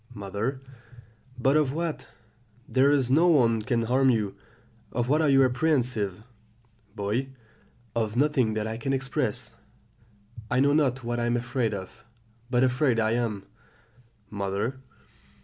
"Mother. But of what? there is no one can harm you; of what are you apprehensive? "Boy. Of nothing that I can express; I know not what I am afraid of, but afraid I am. "Mother.